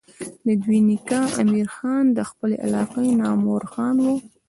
د دوي نيکه امير خان د خپلې علاقې نامور خان وو